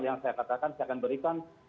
yang saya katakan saya akan berikan